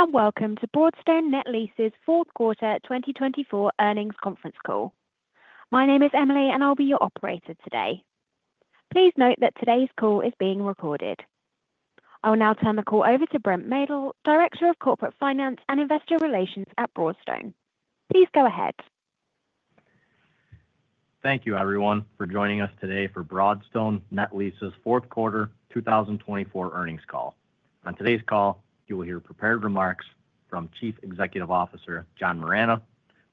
Hello and welcome to Broadstone Net Lease's Q4 2024 earnings conference call. My name is Emily, and I'll be your operator today. Please note that today's call is being recorded. I will now turn the call over to Brent Maedl, Director of Corporate Finance and Investor Relations at Broadstone. Please go ahead. Thank you, everyone, for joining us today for Broadstone Net Lease's Q4 2024 earnings call. On today's call, you will hear prepared remarks from Chief Executive Officer John Marrano,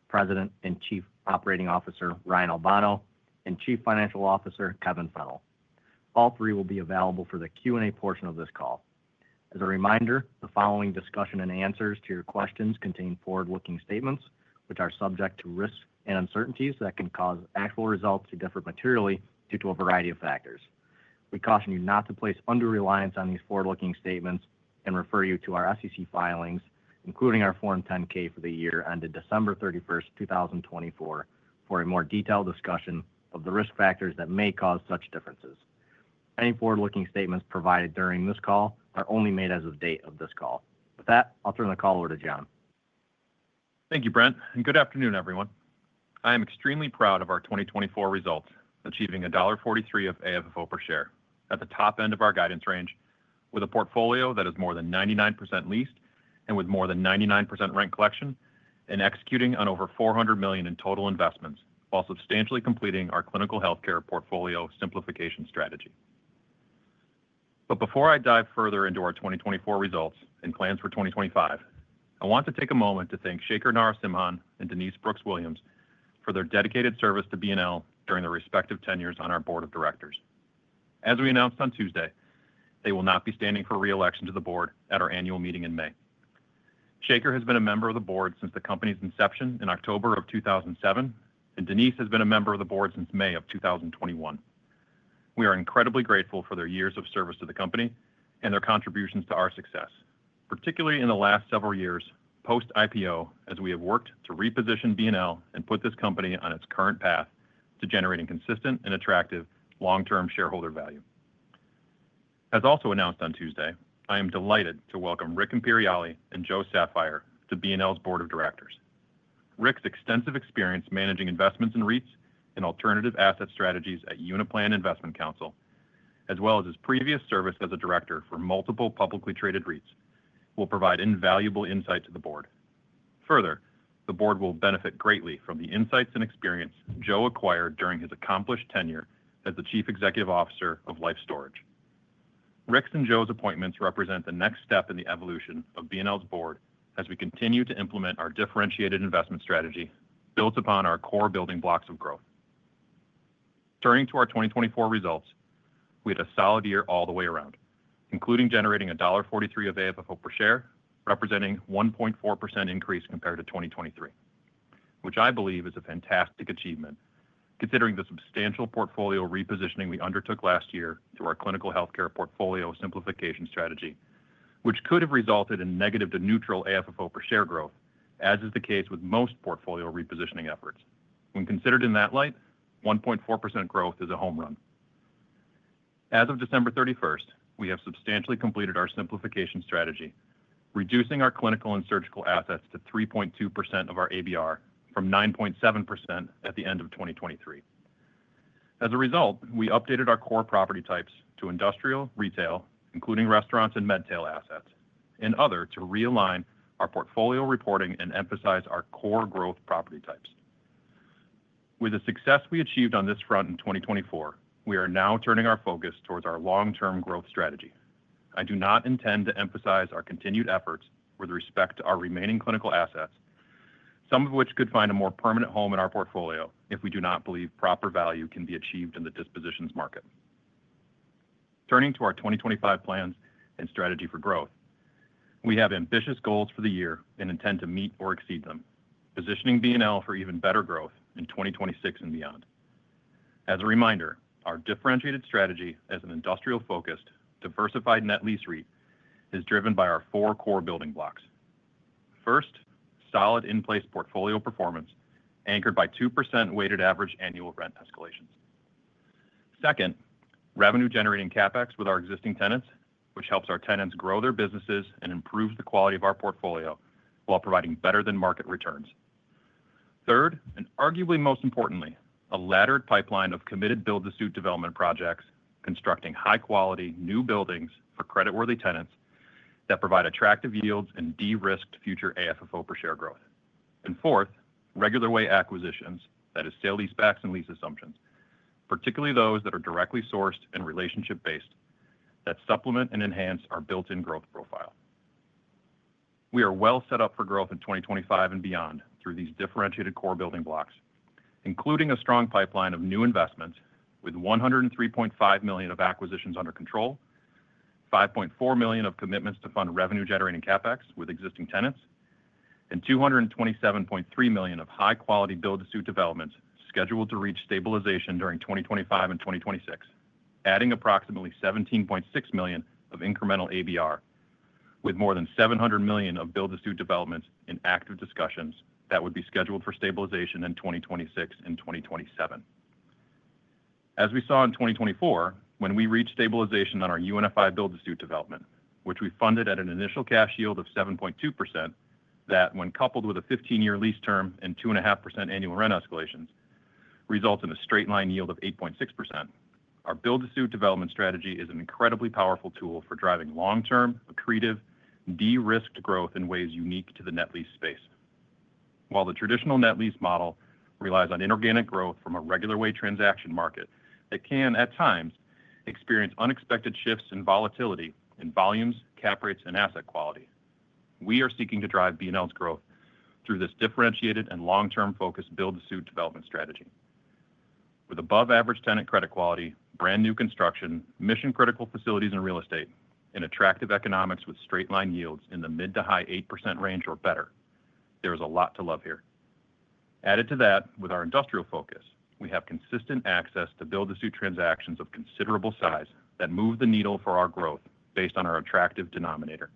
President and Chief Operating Officer Ryan Albano, and Chief Financial Officer Kevin Fennell. All three will be available for the Q&A portion of this call. As a reminder, the following discussion and answers to your questions contain forward-looking statements, which are subject to risks and uncertainties that can cause actual results to differ materially due to a variety of factors. We caution you not to place under reliance on these forward-looking statements and refer you to our SEC filings, including our Form 10-K for the year ended 31st December 2024, for a more detailed discussion of the risk factors that may cause such differences. Any forward-looking statements provided during this call are only made as of the date of this call. With that, I'll turn the call over to John. Thank you, Brent, and good afternoon, everyone. I am extremely proud of our 2024 results, achieving $1.43 of AFFO per share at the top end of our guidance range, with a portfolio that is more than 99% leased and with more than 99% rent collection, and executing on over $400 million in total investments, while substantially completing our clinical healthcare portfolio simplification strategy. But before I dive further into our 2024 results and plans for 2025, I want to take a moment to thank Shekar Narasimhan and Denise Brooks-Williams for their dedicated service to BNL during their respective tenures on our board of directors. As we announced on Tuesday, they will not be standing for re-election to the board at our annual meeting in May. Shekar has been a member of the board since the company's inception in October of 2007, and Denise has been a member of the board since May of 2021. We are incredibly grateful for their years of service to the company and their contributions to our success, particularly in the last several years post-IPO, as we have worked to reposition BNL and put this company on its current path to generating consistent and attractive long-term shareholder value. As also announced on Tuesday, I am delighted to welcome Rick Imperiale and Joe Saffire to BNL's board of directors. Rick's extensive experience managing investments in REITs and alternative asset strategies at Uniplan Investment Council, as well as his previous service as a director for multiple publicly traded REITs, will provide invaluable insight to the board. Further, the board will benefit greatly from the insights and experience Joe acquired during his accomplished tenure as the Chief Executive Officer of Life Storage. Rick's and Joe's appointments represent the next step in the evolution of BNL's board as we continue to implement our differentiated investment strategy built upon our core building blocks of growth. Turning to our 2024 results, we had a solid year all the way around, including generating $1.43 of AFFO per share, representing a 1.4% increase compared to 2023, which I believe is a fantastic achievement considering the substantial portfolio repositioning we undertook last year through our clinical healthcare portfolio simplification strategy, which could have resulted in negative to neutral AFFO per share growth, as is the case with most portfolio repositioning efforts. When considered in that light, 1.4% growth is a home run. As of 31st December, we have substantially completed our simplification strategy, reducing our clinical and surgical assets to 3.2% of our ABR from 9.7% at the end of 2023. As a result, we updated our core property types to industrial, retail, including restaurants and med-tech assets, and other to realign our portfolio reporting and emphasize our core growth property types. With the success we achieved on this front in 2024, we are now turning our focus toward our long-term growth strategy. I do not intend to emphasize our continued efforts with respect to our remaining clinical assets, some of which could find a more permanent home in our portfolio if we do not believe proper value can be achieved in the dispositions market. Turning to our 2025 plans and strategy for growth, we have ambitious goals for the year and intend to meet or exceed them, positioning BNL for even better growth in 2026 and beyond. As a reminder, our differentiated strategy as an industrial-focused, diversified net lease REIT is driven by our four core building blocks. First, solid in-place portfolio performance anchored by 2% weighted average annual rent escalations. Second, revenue-generating CapEx with our existing tenants, which helps our tenants grow their businesses and improve the quality of our portfolio while providing better-than-market returns. Third, and arguably most importantly, a laddered pipeline of committed build-to-suit development projects constructing high-quality new buildings for credit-worthy tenants that provide attractive yields and de-risked future AFFO per share growth. Fourth, regular way acquisitions, that is, sale-leasebacks and lease assumptions, particularly those that are directly sourced and relationship-based that supplement and enhance our built-in growth profile. We are well set up for growth in 2025 and beyond through these differentiated core building blocks, including a strong pipeline of new investments with $103.5 million of acquisitions under control, $5.4 million of commitments to fund revenue-generating CapEx with existing tenants, and $227.3 million of high-quality build-to-suit developments scheduled to reach stabilization during 2025 and 2026, adding approximately $17.6 million of incremental ABR, with more than $700 million of build-to-suit developments in active discussions that would be scheduled for stabilization in 2026 and 2027. As we saw in 2024, when we reached stabilization on our UNFI build-to-suit development, which we funded at an initial cash yield of 7.2%, that when coupled with a 15-year lease term and 2.5% annual rent escalations results in a straight-line yield of 8.6%, our build-to-suit development strategy is an incredibly powerful tool for driving long-term, accretive, de-risked growth in ways unique to the net lease space. While the traditional net lease model relies on inorganic growth from a regular way transaction market that can at times experience unexpected shifts in volatility in volumes, cap rates, and asset quality, we are seeking to drive BNL's growth through this differentiated and long-term focused build-to-suit development strategy. With above-average tenant credit quality, brand new construction, mission-critical facilities and real estate, and attractive economics with straight-line yields in the mid to high 8% range or better, there is a lot to love here. Added to that, with our industrial focus, we have consistent access to build-to-suit transactions of considerable size that move the needle for our growth based on our attractive denominator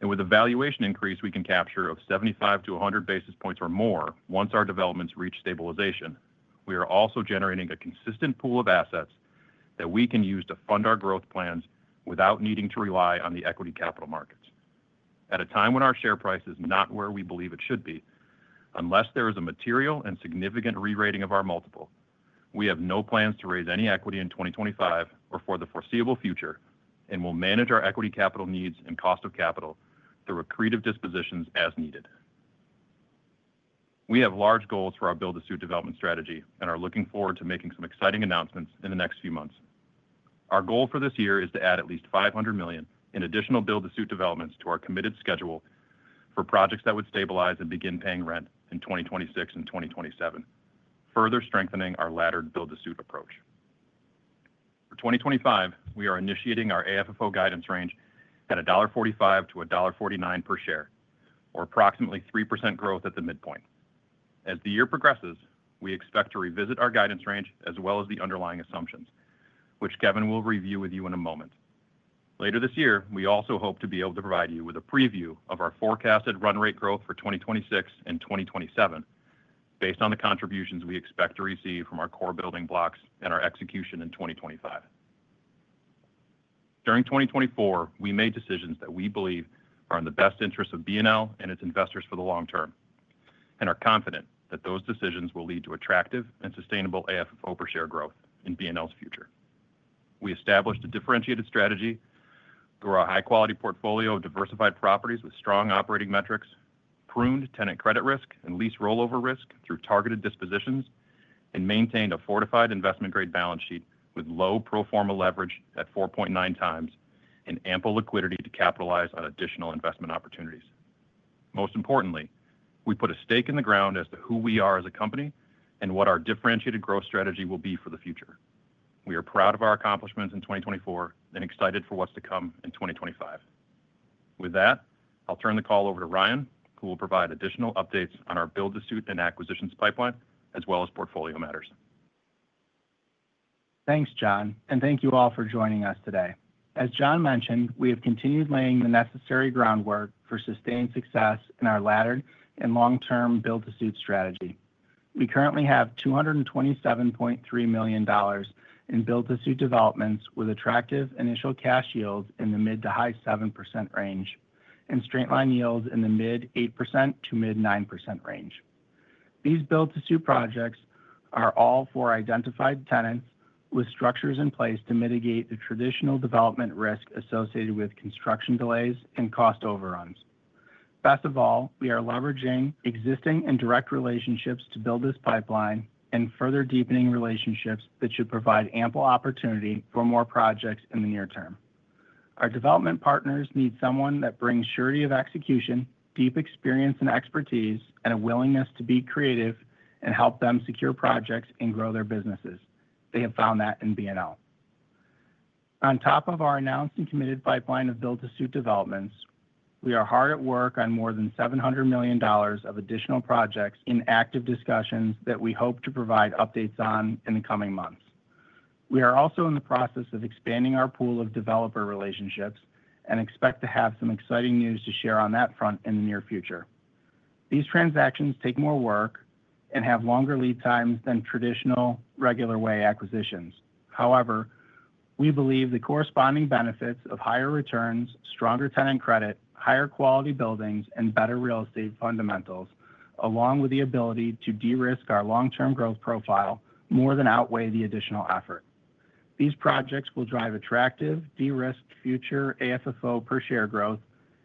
and with a valuation increase we can capture of 75 to 100 basis points or more once our developments reach stabilization, we are also generating a consistent pool of assets that we can use to fund our growth plans without needing to rely on the equity capital markets. At a time when our share price is not where we believe it should be, unless there is a material and significant re-rating of our multiple, we have no plans to raise any equity in 2025 or for the foreseeable future and will manage our equity capital needs and cost of capital through accretive dispositions as needed. We have large goals for our build-to-suit development strategy and are looking forward to making some exciting announcements in the next few months. Our goal for this year is to add at least $500 million in additional build-to-suit developments to our committed schedule for projects that would stabilize and begin paying rent in 2026 and 2027, further strengthening our laddered build-to-suit approach. For 2025, we are initiating our AFFO guidance range at $1.45 to $1.49 per share, or approximately 3% growth at the midpoint. As the year progresses, we expect to revisit our guidance range as well as the underlying assumptions, which Kevin will review with you in a moment. Later this year, we also hope to be able to provide you with a preview of our forecasted run rate growth for 2026 and 2027 based on the contributions we expect to receive from our core building blocks and our execution in 2025. During 2024, we made decisions that we believe are in the best interest of BNL and its investors for the long term and are confident that those decisions will lead to attractive and sustainable AFFO per share growth in BNL's future. We established a differentiated strategy through our high-quality portfolio of diversified properties with strong operating metrics, pruned tenant credit risk and lease rollover risk through targeted dispositions, and maintained a fortified investment-grade balance sheet with low pro forma leverage at 4.9 times and ample liquidity to capitalize on additional investment opportunities. Most importantly, we put a stake in the ground as to who we are as a company and what our differentiated growth strategy will be for the future. We are proud of our accomplishments in 2024 and excited for what's to come in 2025. With that, I'll turn the call over to Ryan, who will provide additional updates on our build-to-suit and acquisitions pipeline, as well as portfolio matters. Thanks, John, and thank you all for joining us today. As John mentioned, we have continued laying the necessary groundwork for sustained success in our laddered and long-term build-to-suit strategy. We currently have $227.3 million in build-to-suit developments with attractive initial cash yields in the mid to high 7% range and straight-line yields in the mid 8% to mid 9% range. These build-to-suit projects are all for identified tenants with structures in place to mitigate the traditional development risk associated with construction delays and cost overruns. Best of all, we are leveraging existing and direct relationships to build this pipeline and further deepening relationships that should provide ample opportunity for more projects in the near term. Our development partners need someone that brings surety of execution, deep experience and expertise, and a willingness to be creative and help them secure projects and grow their businesses. They have found that in BNL. On top of our announced and committed pipeline of build-to-suit developments, we are hard at work on more than $700 million of additional projects in active discussions that we hope to provide updates on in the coming months. We are also in the process of expanding our pool of developer relationships and expect to have some exciting news to share on that front in the near future. These transactions take more work and have longer lead times than traditional regular way acquisitions. However, we believe the corresponding benefits of higher returns, stronger tenant credit, higher quality buildings, and better real estate fundamentals, along with the ability to de-risk our long-term growth profile, more than outweigh the additional effort. These projects will drive attractive de-risked future AFFO per share growth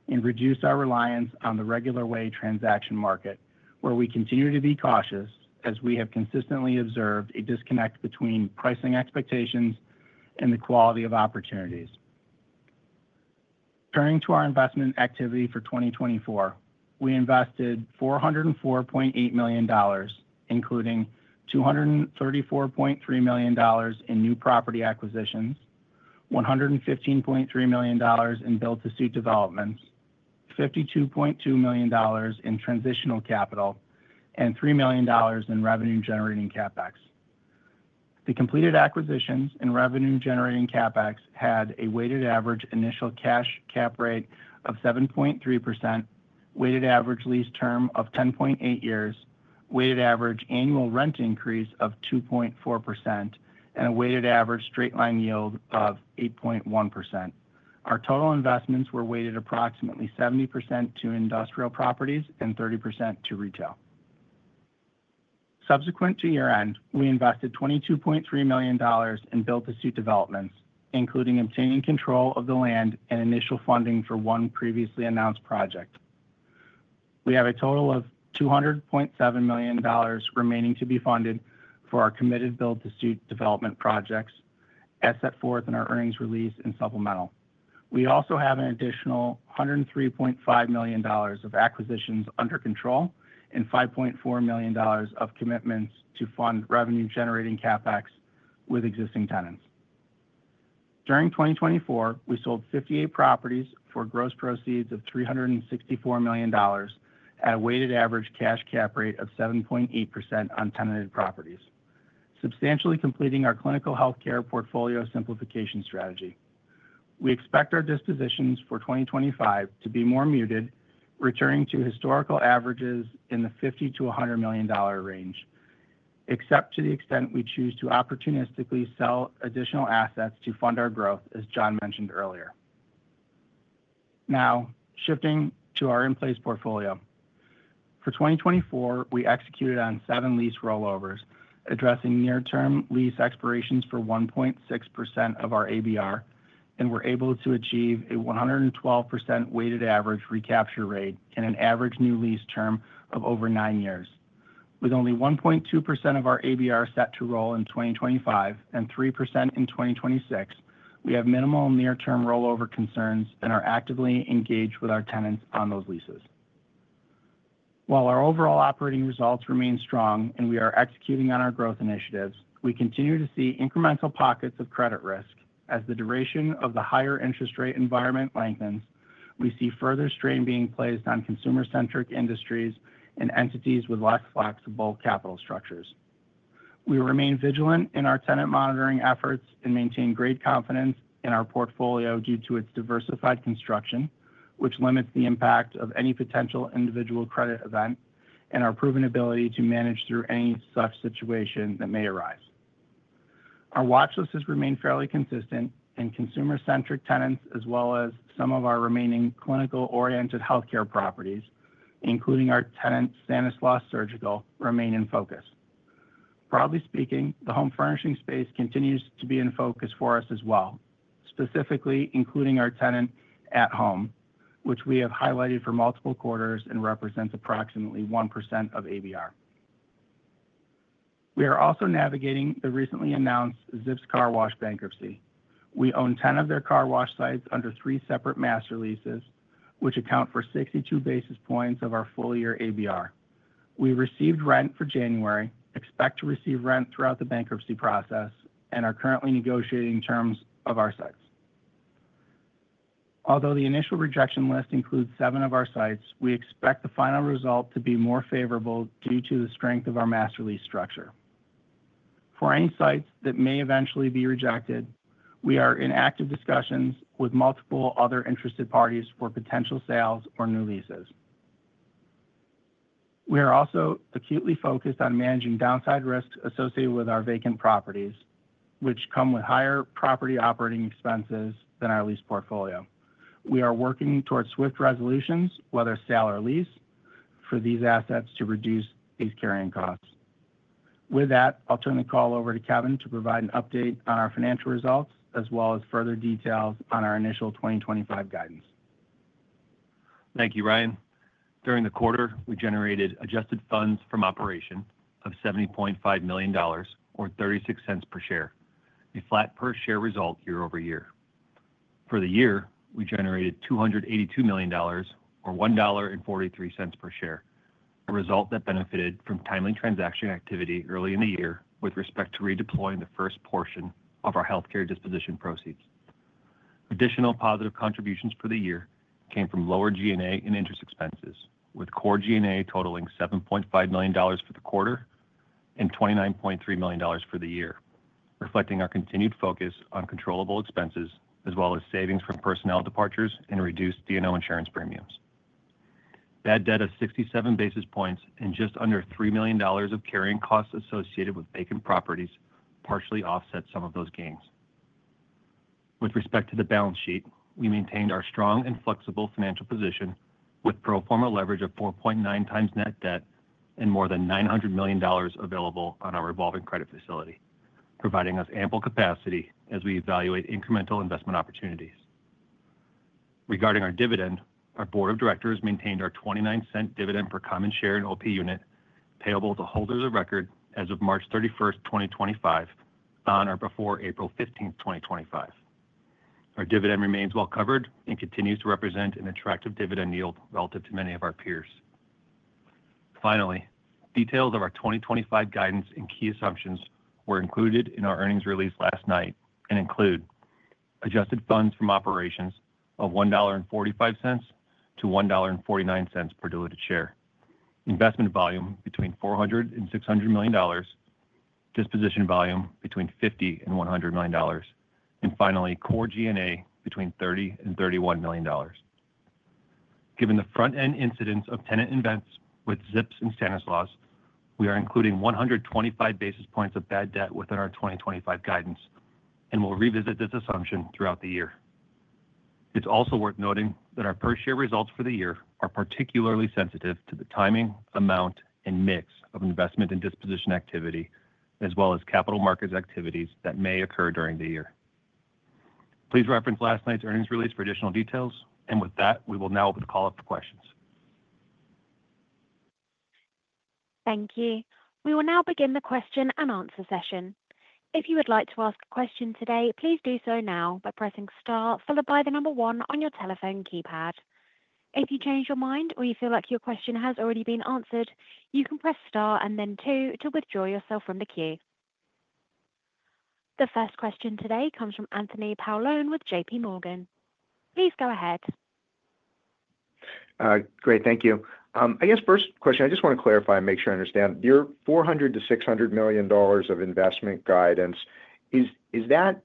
and reduce our reliance on the regular way transaction market, where we continue to be cautious as we have consistently observed a disconnect between pricing expectations and the quality of opportunities. Turning to our investment activity for 2024, we invested $404.8 million, including $234.3 million in new property acquisitions, $115.3 million in build-to-suit developments, $52.2 million in transitional capital, and $3 million in revenue-generating CapEx. The completed acquisitions and revenue-generating CapEx had a weighted average initial cash cap rate of 7.3%, weighted average lease term of 10.8 years, weighted average annual rent increase of 2.4%, and a weighted average straight-line yield of 8.1%. Our total investments were weighted approximately 70% to industrial properties and 30% to retail. Subsequent to year-end, we invested $22.3 million in build-to-suit developments, including obtaining control of the land and initial funding for one previously announced project. We have a total of $200.7 million remaining to be funded for our committed build-to-suit development projects as set forth in our earnings release and supplemental. We also have an additional $103.5 million of acquisitions under control and $5.4 million of commitments to fund revenue-generating CapEx with existing tenants. During 2024, we sold 58 properties for gross proceeds of $364 million at a weighted average cash Cap Rate of 7.8% on tenanted properties, substantially completing our clinical healthcare portfolio simplification strategy. We expect our dispositions for 2025 to be more muted, returning to historical averages in the $50-$100 million range, except to the extent we choose to opportunistically sell additional assets to fund our growth, as John mentioned earlier. Now, shifting to our in-place portfolio. For 2024, we executed on seven lease rollovers, addressing near-term lease expirations for 1.6% of our ABR, and were able to achieve a 112% weighted average recapture rate and an average new lease term of over nine years. With only 1.2% of our ABR set to roll in 2025 and 3% in 2026, we have minimal near-term rollover concerns and are actively engaged with our tenants on those leases. While our overall operating results remain strong and we are executing on our growth initiatives, we continue to see incremental pockets of credit risk. As the duration of the higher interest rate environment lengthens, we see further strain being placed on consumer-centric industries and entities with less flexible capital structures. We remain vigilant in our tenant monitoring efforts and maintain great confidence in our portfolio due to its diversified construction, which limits the impact of any potential individual credit event and our proven ability to manage through any such situation that may arise. Our watch list has remained fairly consistent, and consumer-centric tenants, as well as some of our remaining clinical-oriented healthcare properties, including our tenant Stanislaus Surgical, remain in focus. Broadly speaking, the home furnishing space continues to be in focus for us as well, specifically including our tenant At Home, which we have highlighted for multiple quarters and represents approximately 1% of ABR. We are also navigating the recently announced Zips Car Wash bankruptcy. We own 10 of their car wash sites under three separate master leases, which account for 62 basis points of our full year ABR. We received rent for January, expect to receive rent throughout the bankruptcy process, and are currently negotiating terms of our sites. Although the initial rejection list includes seven of our sites, we expect the final result to be more favorable due to the strength of our master lease structure. For any sites that may eventually be rejected, we are in active discussions with multiple other interested parties for potential sales or new leases. We are also acutely focused on managing downside risk associated with our vacant properties, which come with higher property operating expenses than our lease portfolio. We are working towards swift resolutions, whether sale or lease, for these assets to reduce these carrying costs. With that, I'll turn the call over to Kevin to provide an update on our financial results, as well as further details on our initial 2025 guidance. Thank you, Ryan. During the quarter, we generated adjusted funds from operations of $70.5 million, or $0.36 per share, a flat per share result year-over-year. For the year, we generated $282 million, or $1.43 per share, a result that benefited from timely transaction activity early in the year with respect to redeploying the first portion of our healthcare disposition proceeds. Additional positive contributions for the year came from lower G&A and interest expenses, with core G&A totaling $7.5 million for the quarter and $29.3 million for the year, reflecting our continued focus on controllable expenses, as well as savings from personnel departures and reduced D&O insurance premiums. That drag of 67 basis points and just under $3 million of carrying costs associated with vacant properties partially offset some of those gains. With respect to the balance sheet, we maintained our strong and flexible financial position with pro forma leverage of 4.9 times net debt and more than $900 million available on our revolving credit facility, providing us ample capacity as we evaluate incremental investment opportunities. Regarding our dividend, our board of directors maintained our $0.29 dividend per common share in OP unit payable to holders of record as of 31st March 2025, on or before 15th April 2025. Our dividend remains well covered and continues to represent an attractive dividend yield relative to many of our peers. Finally, details of our 2025 guidance and key assumptions were included in our earnings release last night and include adjusted funds from operations of $1.45 to $1.49 per diluted share, investment volume between $400 and $600 million, disposition volume between $50 and $100 million, and finally, core G&A between $30 and $31 million. Given the front-end incidents of tenant events with Zips and Stanislaus, we are including 125 basis points of bad debt within our 2025 guidance and will revisit this assumption throughout the year. It's also worth noting that our per share results for the year are particularly sensitive to the timing, amount, and mix of investment and disposition activity, as well as capital markets activities that may occur during the year. Please reference last night's earnings release for additional details, and with that, we will now open the call up for questions. Thank you. We will now begin the question and answer session. If you would like to ask a question today, please do so now by pressing star, followed by the number one on your telephone keypad. If you change your mind or you feel like your question has already been answered, you can press star and then two to withdraw yourself from the queue. The first question today comes from Anthony Paolone with JPMorgan. Please go ahead. Great. Thank you. I guess first question, I just want to clarify and make sure I understand. Your $400 to $600 million of investment guidance, is that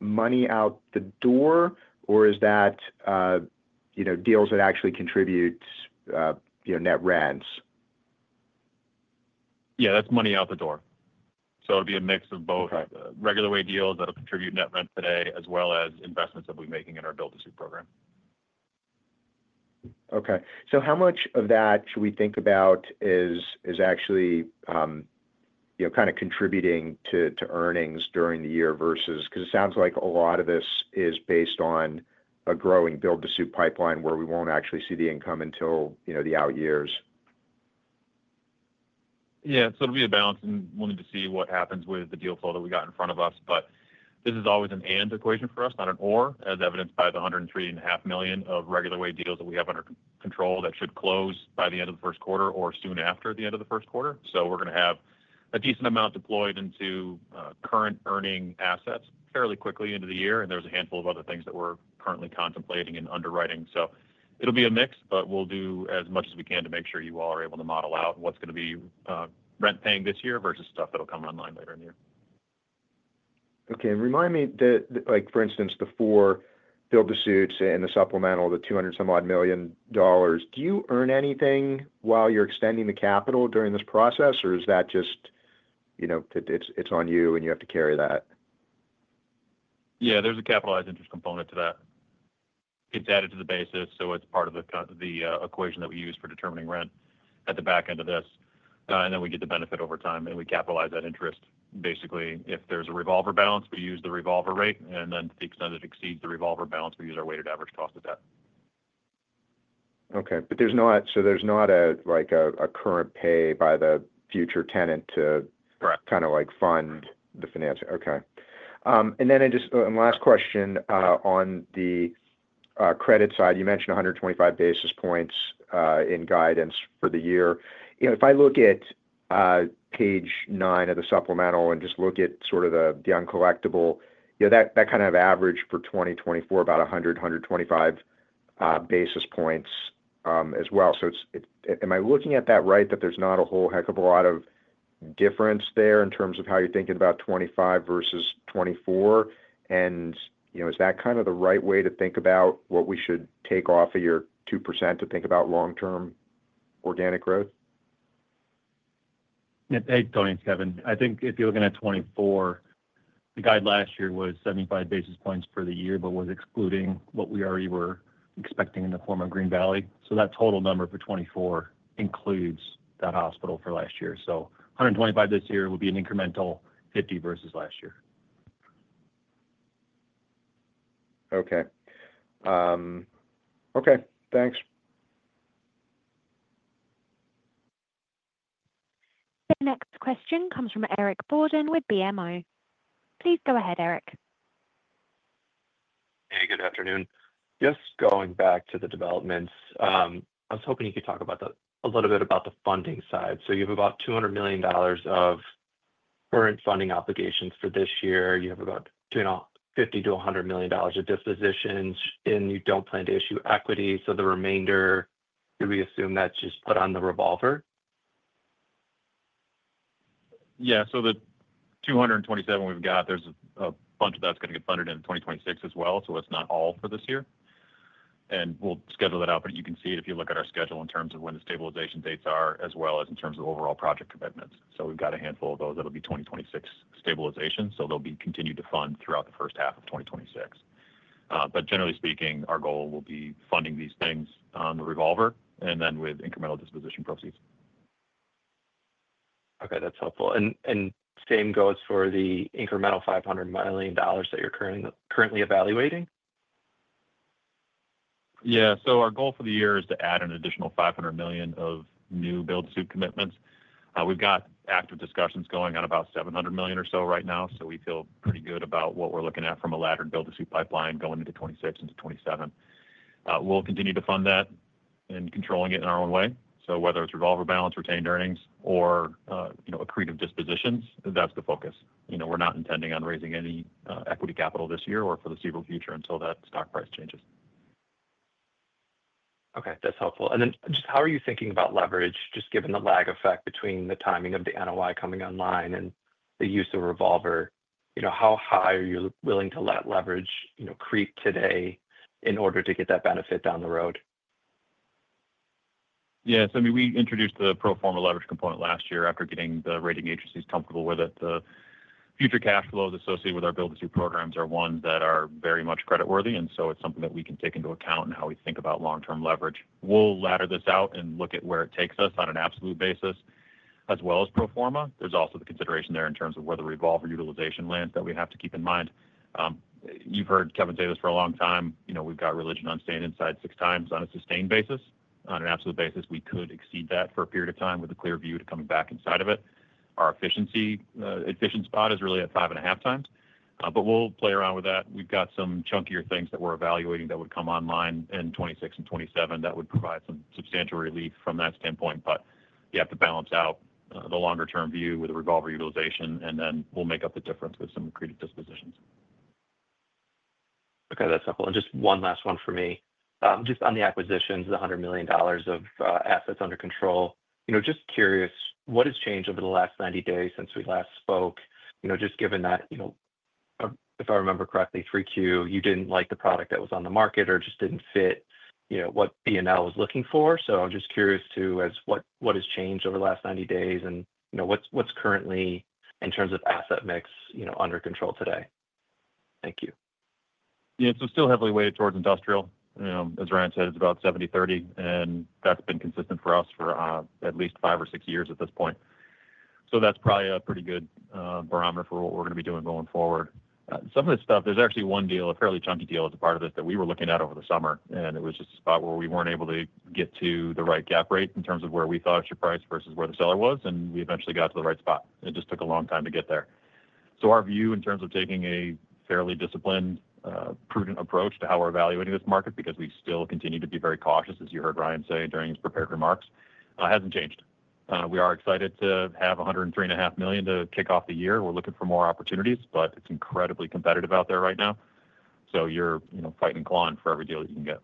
money out the door, or is that deals that actually contribute net rents? Yeah, that's money out the door. So it'll be a mix of both regular way deals that'll contribute net rent today, as well as investments that we're making in our build-to-suit program. Okay, so how much of that should we think about is actually kind of contributing to earnings during the year versus because it sounds like a lot of this is based on a growing build-to-suit pipeline where we won't actually see the income until the out years? Yeah. So it'll be a balance and wanting to see what happens with the deal flow that we got in front of us. But this is always an and equation for us, not an or, as evidenced by the $103.5 million of regular way deals that we have under control that should close by the end of Q1 or soon after the end of Q1. So we're going to have a decent amount deployed into current earning assets fairly quickly into the year. There's a handful of other things that we're currently contemplating and underwriting. So it'll be a mix, but we'll do as much as we can to make sure you all are able to model out what's going to be rent-paying this year versus stuff that'll come online later in the year. Okay. Remind me, for instance, the four build-to-suits and the supplemental, the $200-some-odd million, do you earn anything while you're extending the capital during this process, or is that just it's on you and you have to carry that? Yeah, there's a capitalized interest component to that. It's added to the basis, so it's part of the equation that we use for determining rent at the back end of this. Then we get the benefit over time, and we capitalize that interest. Basically, if there's a revolver balance, we use the revolver rate and then the extent it exceeds the revolver balance, we use our weighted average cost of debt. Okay. But so there's not a current pay by the future tenant to kind of fund the financial? Correct. Okay. Then just a last question on the credit side. You mentioned 125 basis points in guidance for the year. If I look at page nine of the supplemental and just look at sort of the uncollectible, that kind of average for 2024, about 100 to 125 basis points as well. So am I looking at that right, that there's not a whole heck of a lot of difference there in terms of how you're thinking about 2025 versus 2024? Is that kind of the right way to think about what we should take off of your 2% to think about long-term organic growth? Hey, Tony. It's Kevin. I think if you're looking at 2024, the guide last year was 75 basis points for the year, but was excluding what we already were expecting in the form of Green Valley. So that total number for 2024 includes that hospital for last year. So 125 this year would be an incremental 50 versus last year. Okay. Thanks. The next question comes from Eric Borden with BMO. Please go ahead, Eric. Hey, good afternoon. Yes. Going back to the developments, I was hoping you could talk a little bit about the funding side. So you have about $200 million of current funding obligations for this year. You have about $50 to 100 million of dispositions, and you don't plan to issue equity. So the remainder, do we assume that's just put on the revolver? Yeah. So the $227 million we've got, there's a bunch of that's going to get funded in 2026 as well. So it's not all for this year. And we'll schedule that out, but you can see it if you look at our schedule in terms of when the stabilization dates are, as well as in terms of overall project commitments. So we've got a handful of those that'll be 2026 stabilization. So they'll be continued to fund throughout the first half of 2026. But generally speaking, our goal will be funding these things on the revolver and then with incremental disposition proceeds. Okay. That's helpful. And same goes for the incremental $500 million that you're currently evaluating? Yeah. So our goal for the year is to add an additional $500 million of new build-to-suit commitments. We've got active discussions going on about $700 million or so right now. So we feel pretty good about what we're looking at from a laddered build-to-suit pipeline going into 2026 into 2027. We'll continue to fund that and control it in our own way. So whether it's revolver balance, retained earnings, or accretive dispositions, that's the focus. We're not intending on raising any equity capital this year or for the foreseeable future until that stock price changes. Okay. That's helpful. And then just how are you thinking about leverage, just given the lag effect between the timing of the NOI coming online and the use of revolver? How high are you willing to let leverage creep today in order to get that benefit down the road? Yeah. So I mean, we introduced the pro forma leverage component last year after getting the rating agencies comfortable with it. The future cash flows associated with our build-to-suit programs are ones that are very much creditworthy. So it's something that we can take into account in how we think about long-term leverage. We'll ladder this out and look at where it takes us on an absolute basis, as well as pro forma. There's also the consideration there in terms of where the revolver utilization lands that we have to keep in mind. You've heard Kevin say this for a long time. We've got religion on staying inside six times on a sustained basis. On an absolute basis, we could exceed that for a period of time with a clear view to coming back inside of it. Our efficient spot is really at five and a half times. But we'll play around with that. We've got some chunkier things that we're evaluating that would come online in 2026 and 2027 that would provide some substantial relief from that standpoint. But you have to balance out the longer-term view with the revolver utilization, and then we'll make up the difference with some accretive dispositions. Okay. That's helpful. And just one last one for me. Just on the acquisitions, the $100 million of assets under control, just curious, what has changed over the last 90 days since we last spoke? Just given that, if I remember correctly, 3Q, you didn't like the product that was on the market or just didn't fit what BNL was looking for. So I'm just curious too, what has changed over the last 90 days and what's currently, in terms of asset mix, under control today? Thank you. Yeah. So still heavily weighted towards industrial. As Ryan said, it's about 70/30, and that's been consistent for us for at least five or six years at this point. So that's probably a pretty good barometer for what we're going to be doing going forward. Some of this stuff, there's actually one deal, a fairly chunky deal as a part of this that we were looking at over the summer. It was just a spot where we weren't able to get to the right cap rate in terms of where we thought it should price versus where the seller was. And we eventually got to the right spot. It just took a long time to get there. Our view in terms of taking a fairly disciplined, prudent approach to how we're evaluating this market, because we still continue to be very cautious, as you heard Ryan say during his prepared remarks, hasn't changed. We are excited to have $103.5 million to kick off the year. We're looking for more opportunities, but it's incredibly competitive out there right now. So you're fighting clowns for every deal that you can get.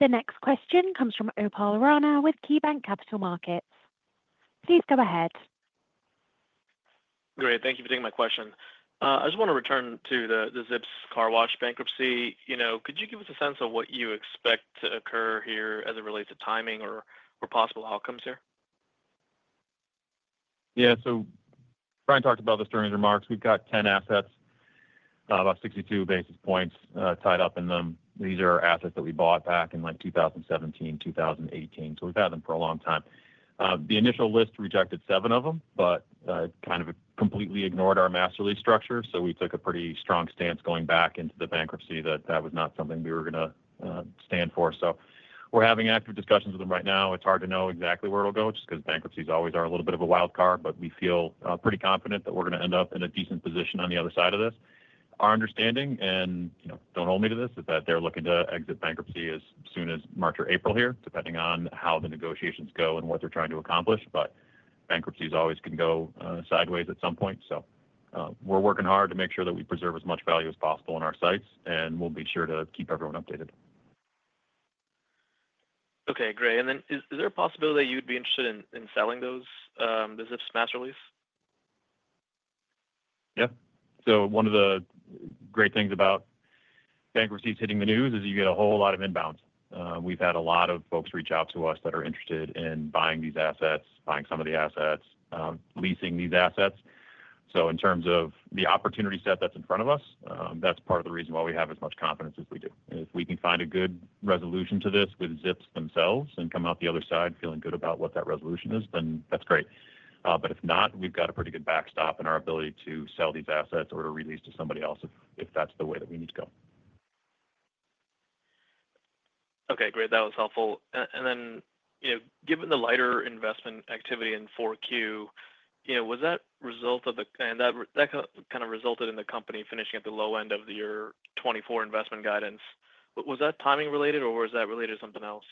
The next question comes from Upal Rana with KeyBank Capital Markets. Please go ahead. Great. Thank you for taking my question. I just want to return to the Zips Car Wash bankruptcy. Could you give us a sense of what you expect to occur here as it relates to timing or possible outcomes here? Yeah. So Ryan talked about this during his remarks. We've got 10 assets, about 62 basis points tied up in them. These are assets that we bought back in 2017 to 2018. So we've had them for a long time. The initial list rejected seven of them, but it kind of completely ignored our master lease structure. So we took a pretty strong stance going back into the bankruptcy that that was not something we were going to stand for. So we're having active discussions with them right now. It's hard to know exactly where it'll go, just because bankruptcies always are a little bit of a wild card. But we feel pretty confident that we're going to end up in a decent position on the other side of this. Our understanding, and don't hold me to this, is that they're looking to exit bankruptcy as soon as March or April here, depending on how the negotiations go and what they're trying to accomplish. But bankruptcies always can go sideways at some point. So we're working hard to make sure that we preserve as much value as possible in our sites, and we'll be sure to keep everyone updated. Okay. Great. Then is there a possibility that you'd be interested in selling those Zips master lease? Yeah. So one of the great things about bankruptcies hitting the news is you get a whole lot of inbound. We've had a lot of folks reach out to us that are interested in buying these assets, buying some of the assets, leasing these assets. So in terms of the opportunity set that's in front of us, that's part of the reason why we have as much confidence as we do. If we can find a good resolution to this with Zips themselves and come out the other side feeling good about what that resolution is, then that's great. But if not, we've got a pretty good backstop in our ability to sell these assets or to release to somebody else if that's the way that we need to go. Okay. Great. That was helpful, and then given the lighter investment activity in Q,4 that kind of resulted in the company finishing at the low end of your 2024 investment guidance. Was that timing related, or was that related to something else?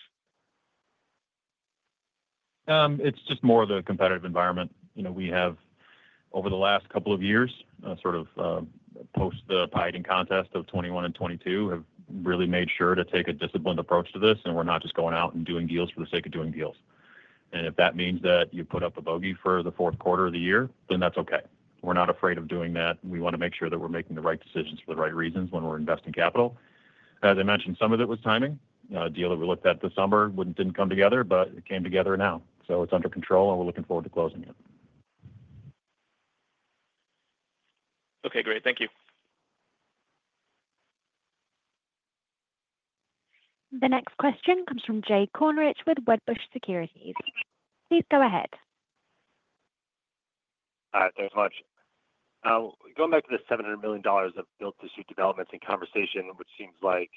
It's just more of the competitive environment. We have, over the last couple of years, sort of post the bidding contest of 2021 and 2022, have really made sure to take a disciplined approach to this. And we're not just going out and doing deals for the sake of doing deals and if that means that you put up a bogey for Q4 of the year, then that's okay. We're not afraid of doing that. We want to make sure that we're making the right decisions for the right reasons when we're investing capital. As I mentioned, some of it was timing. A deal that we looked at this summer didn't come together, but it came together now. So it's under control, and we're looking forward to closing it. Okay. Great. Thank you. The next question comes from Jay Kornreich with Wedbush Securities. Please go ahead. Hi. Thanks so much. Going back to the $700 million of build-to-suit developments in conversation, which seems like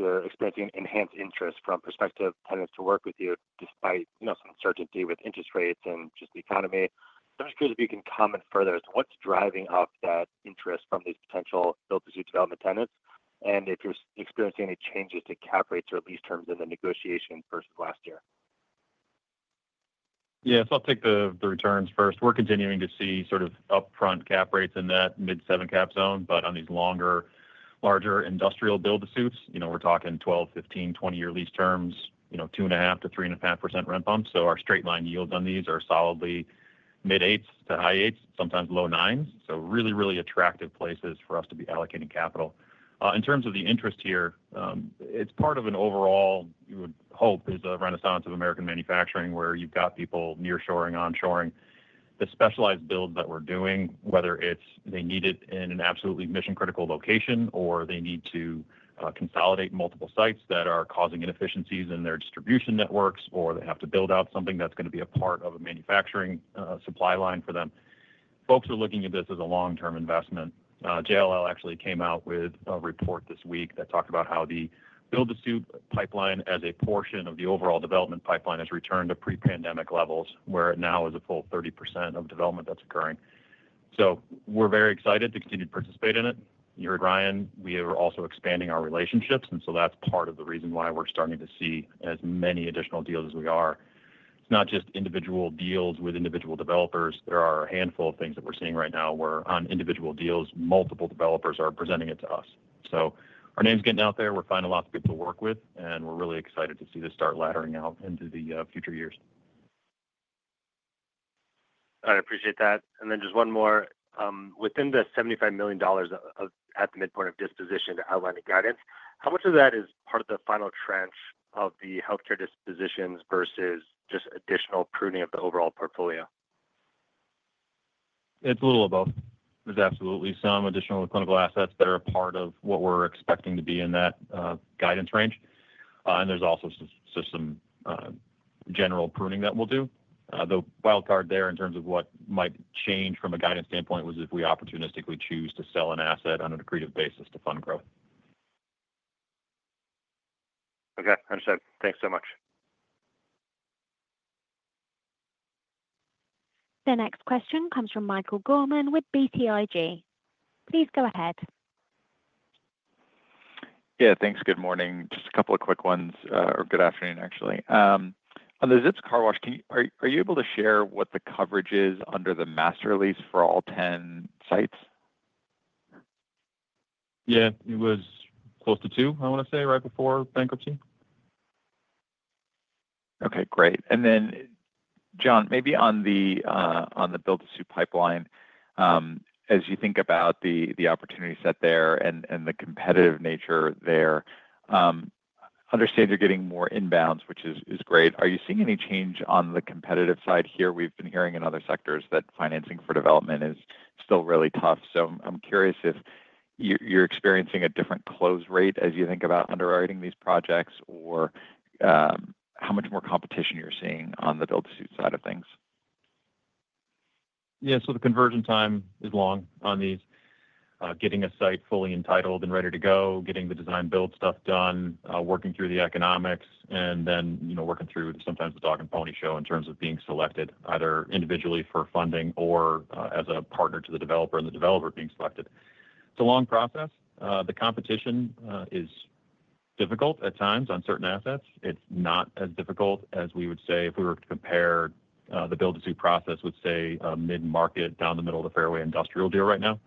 you're experiencing enhanced interest from prospective tenants to work with you despite some uncertainty with interest rates and just the economy. I'm just curious if you can comment further as to what's driving up that interest from these potential build-to-suit development tenants and if you're experiencing any changes to cap rates or lease terms in the negotiations versus last year. Yeah. So I'll take the returns first. We're continuing to see sort of upfront cap rates in that mid-seven cap zone. But on these longer, larger industrial build-to-suits, we're talking 12-, 15-, 20-year lease terms, 2.5% to 3.5% rent bumps. So our straight-line yields on these are solidly mid-eights to high eights, sometimes low nines. So really, really attractive places for us to be allocating capital. In terms of the interest here, it's part of an overall, you would hope, is a renaissance of American manufacturing where you've got people nearshoring, onshoring. The specialized builds that we're doing, whether they need it in an absolutely mission-critical location or they need to consolidate multiple sites that are causing inefficiencies in their distribution networks or they have to build out something that's going to be a part of a manufacturing supply line for them, folks are looking at this as a long-term investment. JLL actually came out with a report this week that talked about how the build-to-suit pipeline as a portion of the overall development pipeline has returned to pre-pandemic levels, where it now is a full 30% of development that's occurring. So we're very excited to continue to participate in it. You heard Ryan. We are also expanding our relationships. And so that's part of the reason why we're starting to see as many additional deals as we are. It's not just individual deals with individual developers. There are a handful of things that we're seeing right now where on individual deals, multiple developers are presenting it to us. So our name's getting out there. We're finding lots of people to work with, and we're really excited to see this start laddering out into the future years. I appreciate that. And then just one more. Within the $75 million at the midpoint of dispositions outlined in guidance, how much of that is part of the final tranche of the healthcare dispositions versus just additional pruning of the overall portfolio? It's a little of both. There's absolutely some additional clinical assets that are a part of what we're expecting to be in that guidance range. And there's also just some general pruning that we'll do. The wild card there in terms of what might change from a guidance standpoint was if we opportunistically choose to sell an asset on an accretive basis to fund growth. Okay. Understood. Thanks so much. The next question comes from Michael Gorman with BTIG. Please go ahead. Yeah. Thanks. Good morning. Just a couple of quick ones or good afternoon, actually. On the Zips Car Wash, are you able to share what the coverage is under the master lease for all 10 sites? Yeah. It was close to two, I want to say, right before bankruptcy. Okay. Great. Then, John, maybe on the build-to-suit pipeline, as you think about the opportunity set there and the competitive nature there, I understand you're getting more inbounds, which is great. Are you seeing any change on the competitive side here? We've been hearing in other sectors that financing for development is still really tough. So I'm curious if you're experiencing a different close rate as you think about underwriting these projects or how much more competition you're seeing on the build-to-suit side of things. Yeah. So the conversion time is long on these. Getting a site fully entitled and ready to go, getting the design-build stuff done, working through the economics, and then working through sometimes the dog and pony show in terms of being selected either individually for funding or as a partner to the developer and the developer being selected. It's a long process. The competition is difficult at times on certain assets. It's not as difficult as we would say if we were to compare the build-to-suit process with, say, a mid-market down the middle of the fairway industrial deal right now,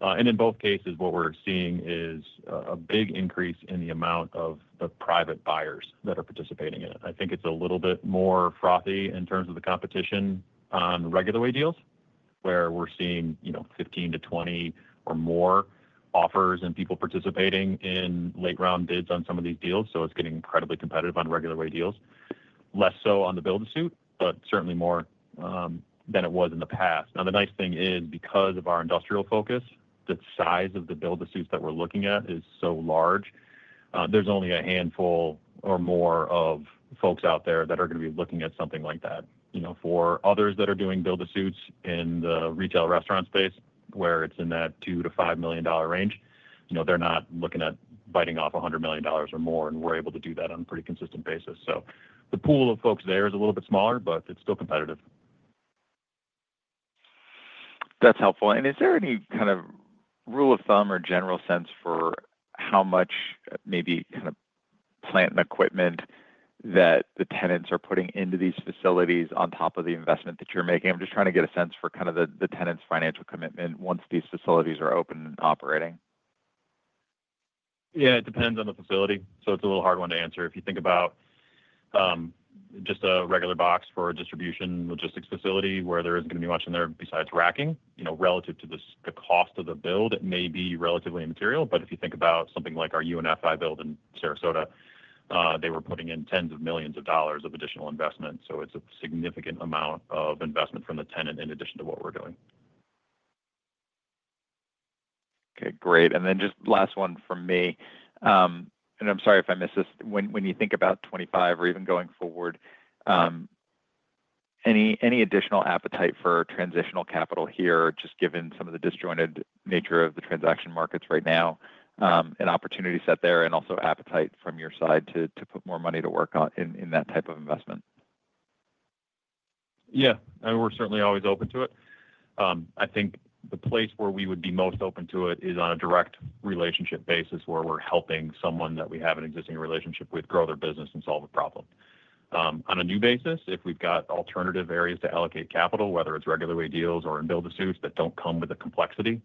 and in both cases, what we're seeing is a big increase in the amount of the private buyers that are participating in it. I think it's a little bit more frothy in terms of the competition on regular way deals, where we're seeing 15-20 or more offers and people participating in late-round bids on some of these deals. So it's getting incredibly competitive on regular way deals, less so on the build-to-suit, but certainly more than it was in the past. Now, the nice thing is, because of our industrial focus, the size of the build-to-suits that we're looking at is so large, there's only a handful or more of folks out there that are going to be looking at something like that. For others that are doing build-to-suits in the retail restaurant space, where it's in that $2 to $5 million range, they're not looking at biting off $100 million or more, and we're able to do that on a pretty consistent basis. So the pool of folks there is a little bit smaller, but it's still competitive. That's helpful. Is there any kind of rule of thumb or general sense for how much maybe kind of plant and equipment that the tenants are putting into these facilities on top of the investment that you're making? I'm just trying to get a sense for kind of the tenants' financial commitment once these facilities are open and operating. Yeah. It depends on the facility, so it's a little hard one to answer. If you think about just a regular box for a distribution logistics facility where there isn't going to be much in there besides racking, relative to the cost of the build, it may be relatively immaterial. But if you think about something like our UNFI build in Sarasota, they were putting in tens of millions of dollars of additional investment, so it's a significant amount of investment from the tenant in addition to what we're doing. Okay. Great. Then just last one from me. I'm sorry if I missed this. When you think about 2025 or even going forward, any additional appetite for transitional capital here, just given some of the disjointed nature of the transaction markets right now, an opportunity set there, and also appetite from your side to put more money to work on in that type of investment? Yeah. We're certainly always open to it. I think the place where we would be most open to it is on a direct relationship basis where we're helping someone that we have an existing relationship with grow their business and solve a problem. On a new basis, if we've got alternative areas to allocate capital, whether it's regular way deals or in build-to-suits that don't come with the complexity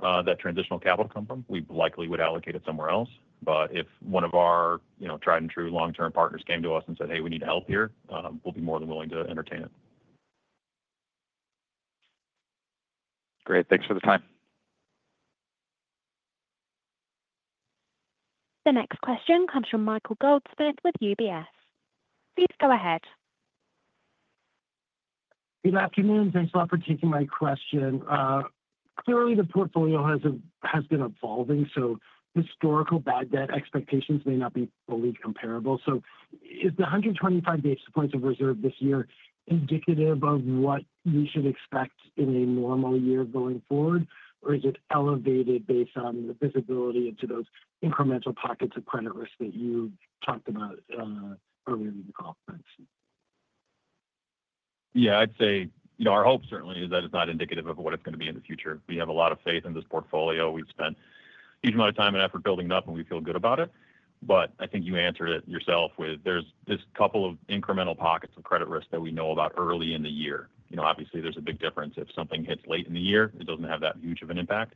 that transitional capital comes from, we likely would allocate it somewhere else. But if one of our tried-and-true long-term partners came to us and said, "Hey, we need help here," we'll be more than willing to entertain it. Great. Thanks for the time. The next question comes from Michael Goldsmith with UBS. Please go ahead. Good afternoon. Thanks a lot for taking my question. Clearly, the portfolio has been evolving. So historical bad debt expectations may not be fully comparable. So is the 125 basis points of reserve this year indicative of what we should expect in a normal year going forward, or is it elevated based on the visibility into those incremental pockets of credit risk that you talked about earlier in the call? Thanks. Yeah. I'd say our hope certainly is that it's not indicative of what it's going to be in the future. We have a lot of faith in this portfolio. We've spent a huge amount of time and effort building it up, and we feel good about it. But I think you answered it yourself with there's this couple of incremental pockets of credit risk that we know about early in the year. Obviously, there's a big difference. If something hits late in the year, it doesn't have that huge of an impact.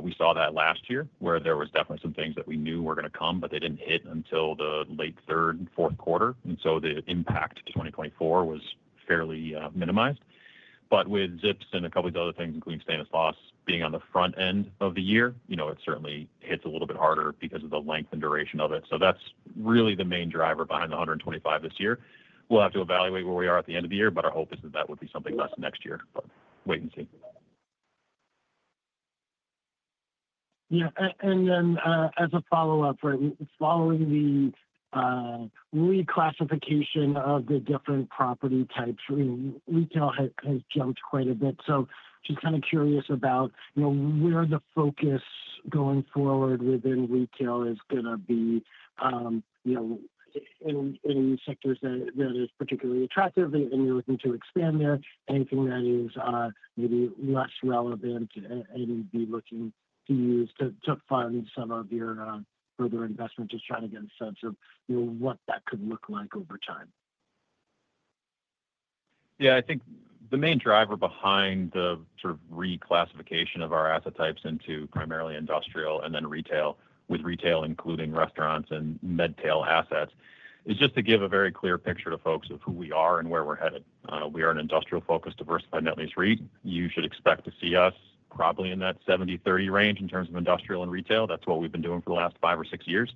We saw that last year where there were definitely some things that we knew were going to come, but they didn't hit until the late third and Q4. And so the impact to 2024 was fairly minimized. But with Zips and a couple of these other things, including Stanislaus loss being on the front end of the year, it certainly hits a little bit harder because of the length and duration of it. So that's really the main driver behind the 125 this year. We'll have to evaluate where we are at the end of the year, but our hope is that that would be something less next year. But wait and see. Yeah. Then as a follow-up, right, following the reclassification of the different property types, retail has jumped quite a bit. So just kind of curious about where the focus going forward within retail is going to be in sectors that are particularly attractive and you're looking to expand there. Anything that is maybe less relevant and be looking to use to fund some of your further investment, just trying to get a sense of what that could look like over time. Yeah. I think the main driver behind the sort of reclassification of our asset types into primarily industrial and then retail, with retail including restaurants and med-tech assets, is just to give a very clear picture to folks of who we are and where we're headed. We are an industrial-focused diversified net lease REIT. You should expect to see us probably in that 70/30 range in terms of industrial and retail. That's what we've been doing for the last five or six years.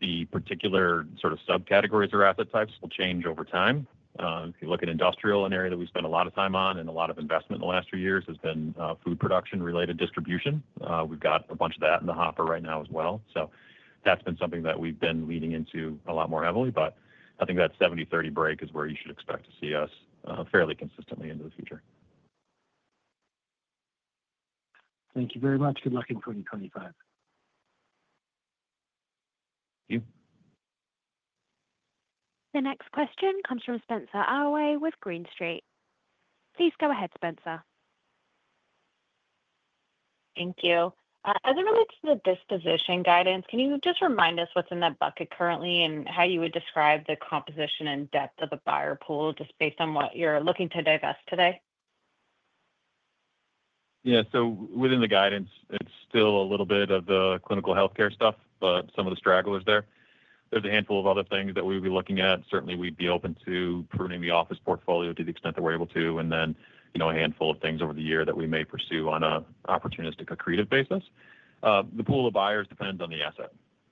The particular sort of subcategories or asset types will change over time. If you look at industrial, an area that we spend a lot of time on and a lot of investment in the last few years has been food production-related distribution. We've got a bunch of that in the hopper right now as well. So that's been something that we've been leaning into a lot more heavily. But I think that 70/30 break is where you should expect to see us fairly consistently into the future. Thank you very much. Good luck in 2025. Thank you. The next question comes from Spenser Allaway with Green Street. Please go ahead, Spenser. Thank you. As it relates to the disposition guidance, can you just remind us what's in that bucket currently and how you would describe the composition and depth of the buyer pool just based on what you're looking to divest today? Yeah. So within the guidance, it's still a little bit of the clinical healthcare stuff, but some of the stragglers there. There's a handful of other things that we would be looking at. Certainly, we'd be open to pruning the office portfolio to the extent that we're able to, and then a handful of things over the year that we may pursue on an opportunistic accretive basis. The pool of buyers depends on the asset.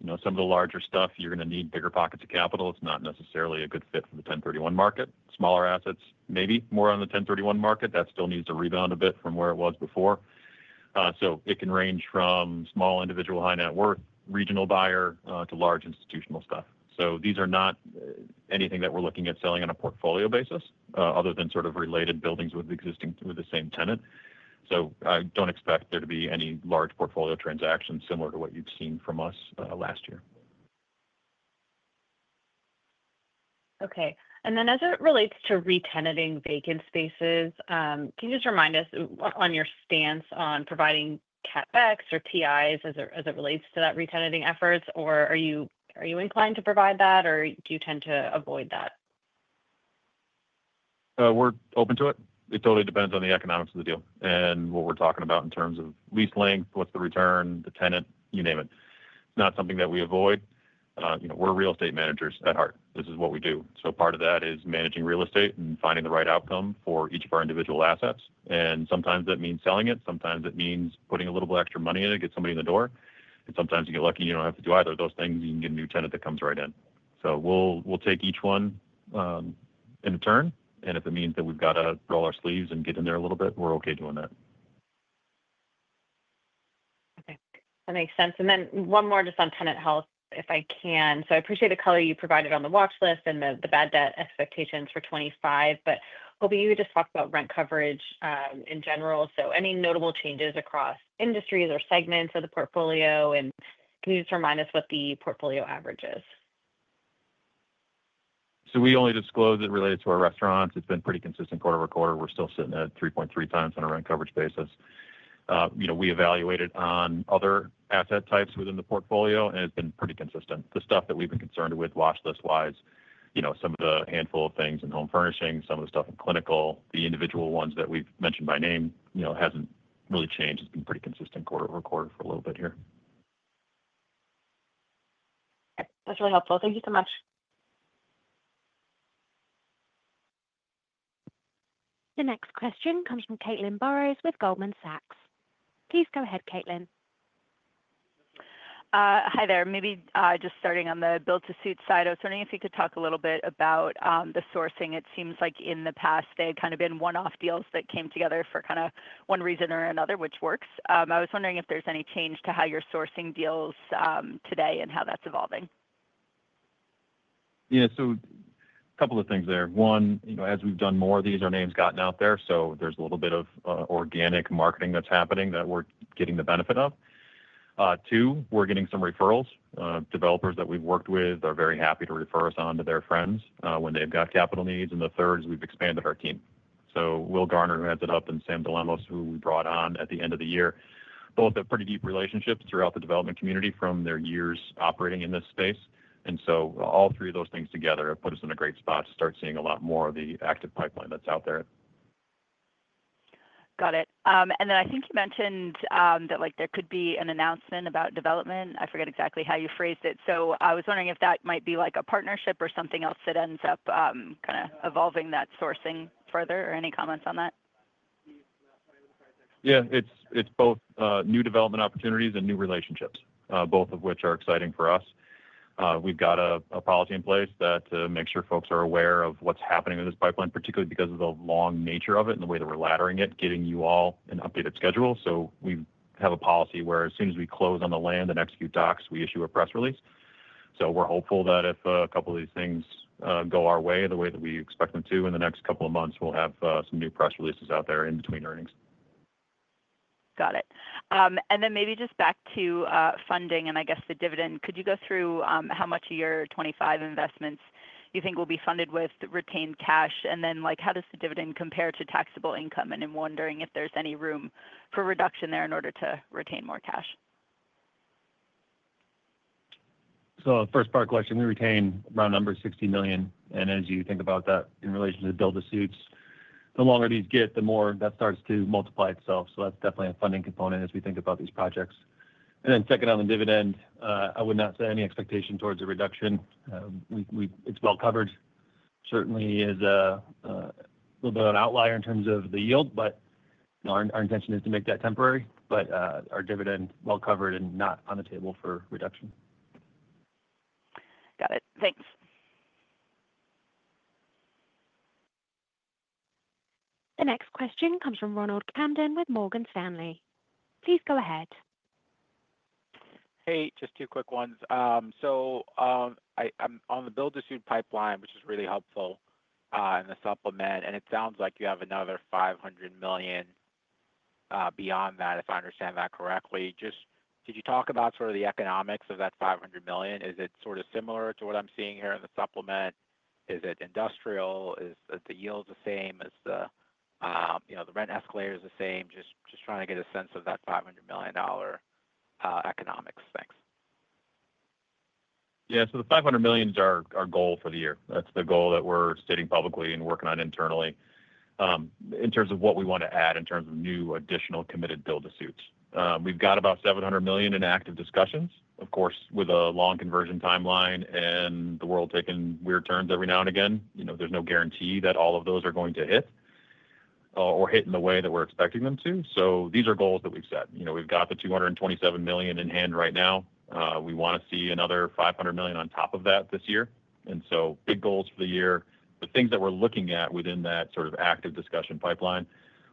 Some of the larger stuff, you're going to need bigger pockets of capital. It's not necessarily a good fit for the 1031 market. Smaller assets, maybe more on the 1031 market, that still needs to rebound a bit from where it was before. So it can range from small individual high net worth, regional buyer, to large institutional stuff. So these are not anything that we're looking at selling on a portfolio basis other than sort of related buildings with the same tenant. So I don't expect there to be any large portfolio transactions similar to what you've seen from us last year. Okay. Then as it relates to retenanting vacant spaces, can you just remind us on your stance on providing CapEx or TIs as it relates to that retenanting efforts, or are you inclined to provide that, or do you tend to avoid that? We're open to it. It totally depends on the economics of the deal and what we're talking about in terms of lease length, what's the return, the tenant, you name it. It's not something that we avoid. We're real estate managers at heart. This is what we do, so part of that is managing real estate and finding the right outcome for each of our individual assets, and sometimes that means selling it. Sometimes it means putting a little bit of extra money in it, get somebody in the door, and sometimes you get lucky. You don't have to do either of those things. You can get a new tenant that comes right in, so we'll take each one in turn, and if it means that we've got to roll our sleeves and get in there a little bit, we're okay doing that. Okay. That makes sense. Then one more just on tenant health, if I can. So I appreciate the color you provided on the watch list and the bad debt expectations for 2025, but Hobie, you had just talked about rent coverage in general. So any notable changes across industries or segments of the portfolio? And can you just remind us what the portfolio average is? So we only disclose it related to our restaurants. It's been pretty consistent quarter over quarter. We're still sitting at 3.3 times on a rent coverage basis. We evaluate it on other asset types within the portfolio, and it's been pretty consistent. The stuff that we've been concerned with, watch list-wise, some of the handful of things in home furnishing, some of the stuff in clinical, the individual ones that we've mentioned by name hasn't really changed. It's been pretty consistent quarter over quarter for a little bit here. Okay. That's really helpful. Thank you so much. The next question comes from Caitlin Burrows with Goldman Sachs. Please go ahead, Caitlin. Hi there. Maybe just starting on the build-to-suits side, I was wondering if you could talk a little bit about the sourcing. It seems like in the past, they had kind of been one-off deals that came together for kind of one reason or another, which works. I was wondering if there's any change to how you're sourcing deals today and how that's evolving? Yeah. So a couple of things there. One, as we've done more, these are names gotten out there. So there's a little bit of organic marketing that's happening that we're getting the benefit of. Two, we're getting some referrals. Developers that we've worked with are very happy to refer us on to their friends when they've got capital needs. And the third is we've expanded our team. So Will Garner, who heads it up, and Sam DiLemos, who we brought on at the end of the year, both have pretty deep relationships throughout the development community from their years operating in this space. So all three of those things together have put us in a great spot to start seeing a lot more of the active pipeline that's out there. Got it. Then I think you mentioned that there could be an announcement about development. I forget exactly how you phrased it. So I was wondering if that might be like a partnership or something else that ends up kind of evolving that sourcing further or any comments on that? Yeah. It's both new development opportunities and new relationships, both of which are exciting for us. We've got a policy in place that makes sure folks are aware of what's happening in this pipeline, particularly because of the long nature of it and the way that we're laddering it, giving you all an updated schedule. So we have a policy where as soon as we close on the land and execute docs, we issue a press release. So we're hopeful that if a couple of these things go our way the way that we expect them to in the next couple of months, we'll have some new press releases out there in between earnings. Got it. Then maybe just back to funding and I guess the dividend, could you go through how much of your 2025 investments you think will be funded with retained cash? And then how does the dividend compare to taxable income? And I'm wondering if there's any room for reduction there in order to retain more cash? First part question, we retain round number $60 million. As you think about that in relation to the build-to-suits, the longer these get, the more that starts to multiply itself. So that's definitely a funding component as we think about these projects. Then second on the dividend, I would not say any expectation towards a reduction. It's well covered. Certainly, it is a little bit of an outlier in terms of the yield, but our intention is to make that temporary. But our dividend, well covered and not on the table for reduction. Got it. Thanks. The next question comes from Ronald Kamdem with Morgan Stanley. Please go ahead. Hey, just two quick ones. So I'm on the build-to-suit pipeline, which is really helpful in the supplement. It sounds like you have another $500 million beyond that, if I understand that correctly. Just could you talk about sort of the economics of that $500 million? Is it sort of similar to what I'm seeing here in the supplement? Is it industrial? Is the yield the same? Is the rent escalator the same? Just trying to get a sense of that $500 million economics. Thanks. Yeah. So the $500 million is our goal for the year. That's the goal that we're stating publicly and working on internally in terms of what we want to add in terms of new additional committed build-to-suits. We've got about $700 million in active discussions, of course, with a long conversion timeline and the world taking weird turns every now and again. There's no guarantee that all of those are going to hit or hit in the way that we're expecting them to. So these are goals that we've set. We've got the $227 million in hand right now. We want to see another $500 million on top of that this year. And so big goals for the year. The things that we're looking at within that sort of active discussion pipeline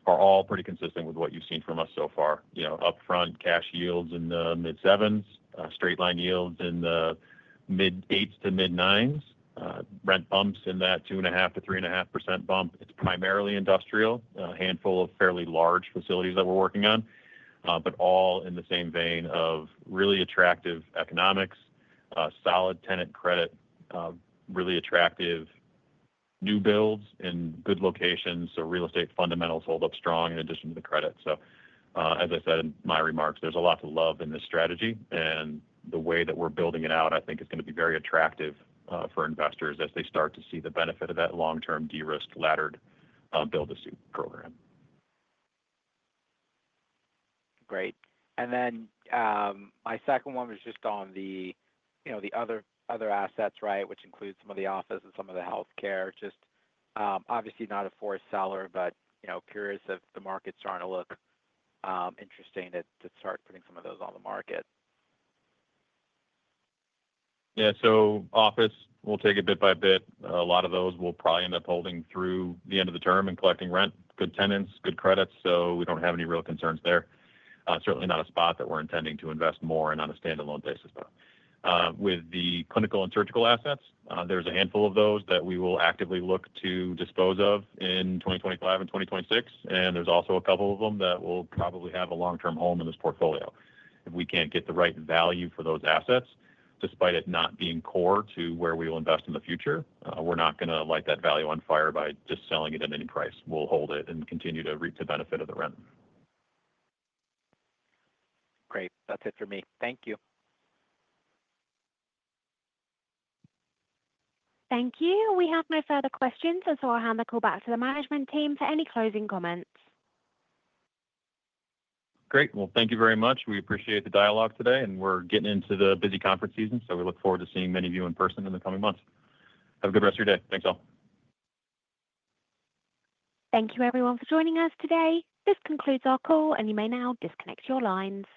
are all pretty consistent with what you've seen from us so far. Upfront cash yields in the mid-sevens, straight-line yields in the mid-eights to mid-nines, rent bumps in that 2.5%-3.5% bump. It's primarily industrial, a handful of fairly large facilities that we're working on, but all in the same vein of really attractive economics, solid tenant credit, really attractive new builds in good locations, so real estate fundamentals hold up strong in addition to the credit. So as I said in my remarks, there's a lot to love in this strategy, and the way that we're building it out, I think, is going to be very attractive for investors as they start to see the benefit of that long-term de-risk laddered build-to-suits program. Great. Then my second one was just on the other assets, right, which includes some of the office and some of the healthcare. Just obviously not a forced seller, but curious if the markets are going to look interesting to start putting some of those on the market. Yeah. So office, we'll take it bit by bit. A lot of those will probably end up holding through the end of the term and collecting rent. Good tenants, good credits. So we don't have any real concerns there. Certainly not a spot that we're intending to invest more in on a standalone basis. But with the clinical and surgical assets, there's a handful of those that we will actively look to dispose of in 2025 and 2026. There's also a couple of them that will probably have a long-term home in this portfolio. If we can't get the right value for those assets, despite it not being core to where we will invest in the future, we're not going to light that value on fire by just selling it at any price. We'll hold it and continue to reap the benefit of the rent. Great. That's it for me. Thank you. Thank you. We have no further questions, and so I'll hand the call back to the management team for any closing comments. Great. Well, thank you very much. We appreciate the dialogue today, and we're getting into the busy conference season, so we look forward to seeing many of you in person in the coming months. Have a good rest of your day. Thanks, all. Thank you, everyone, for joining us today. This concludes our call, and you may now disconnect your lines.